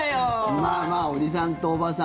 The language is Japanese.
まあまあおじさんとおばさん。